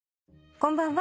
こんばんは。